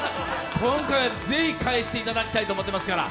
今回、是非返していただきたいと思ってますから。